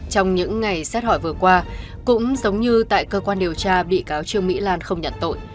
trong những ngày xét hỏi vừa qua cũng giống như tại cơ quan điều tra bị cáo trương mỹ lan không nhận tội